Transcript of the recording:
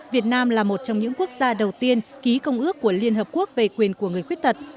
việt nam là một trong những quốc gia đầu tiên ký công ước của liên hợp quốc về quyền của người khuyết tật